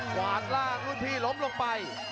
ขวานล่างรูดพี่ล้มลงไป